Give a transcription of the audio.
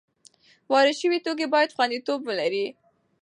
وارد شوي توکي باید خوندیتوب ولري.